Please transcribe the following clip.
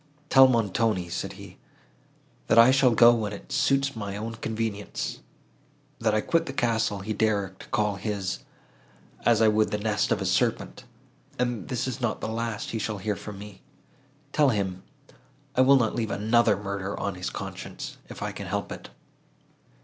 "Tell Montoni," said he, "that I shall go when it suits my own convenience; that I quit the castle, he dares to call his, as I would the nest of a serpent, and that this is not the last he shall hear from me. Tell him, I will not leave another murder on his conscience, if I can help it."